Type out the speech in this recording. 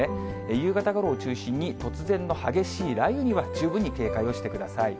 夕方ごろを中心に、突然の激しい雷雨には十分に警戒をしてください。